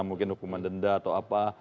mungkin hukuman denda atau apa